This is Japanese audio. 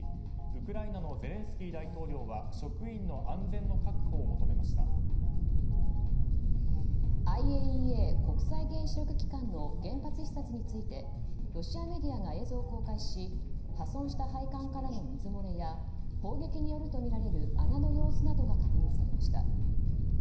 ウクライナのゼレンスキー大統領はＩＡＥＡ・国際原子力機関の原発視察についてロシアメディアが映像を公開し破損した配管からの水漏れや砲撃によるとみられる穴の様子などが確認されました。